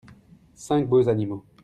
cinq beaux animaux.